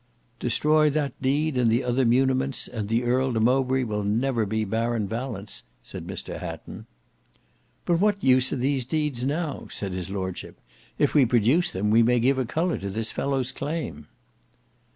"Destroy that deed and the other muniments, and the Earl de Mowbray will never be Baron Valence," said Mr Hatton. "But what use are these deeds now?" said his lordship. "If we produce them, we may give a colour to this fellow's claim."